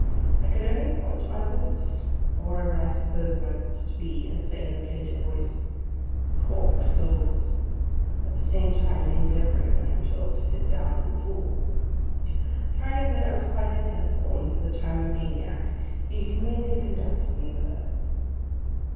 I could only point to my boots—or wherever I supposed my boots to be—and say in a plaintive voice, 'Cork soles:' at the same time endeavouring, I am told, to sit down in the pool. Finding that I was quite insensible, and for the time a maniac, he humanely conducted me below.